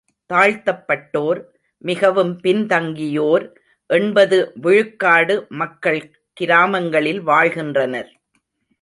தாழ்த்தப்பட்டோர், மிகவும் பின்தங்கியோர், எண்பது விழுக்காட்டு மக்கள் கிராமங்களில் வாழ்கின்றனர்.